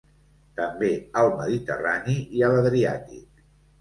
També al Mediterrani i a l'Adriàtic.